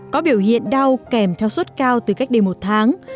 có biểu hiện đau kèm theo suốt cao từ cách đây một tháng